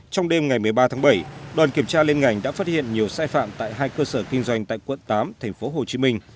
trong đêm ngày một mươi ba tháng bảy đoàn kiểm tra liên ngành đã phát hiện nhiều sai phạm tại hai cơ sở kinh doanh tại quận tám thành phố hồ chí minh